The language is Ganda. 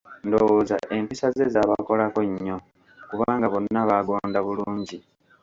Ndowooza empisa ze zaabakolako nnyo; kubanga bonna baagonda bulungi.